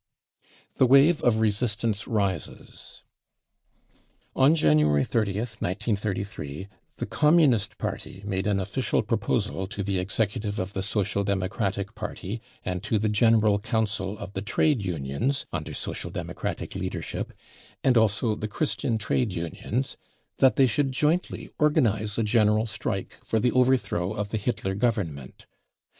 * The Wave of Resistance Rises. On January 30th, 1 933, the Communist Party made an official proposal to the Executive of the Social Democratic Party and to the General Council of the Trade Unions under Social Demo cratic leadership and also the Christian Trade Unions, that , they should jointly organise a general strike for the over throw of the Hitler Government.